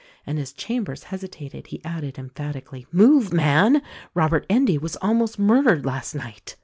And as Chambers hesitated he added emphatically, "Move, man! Robert Endy was almost mur dered last night."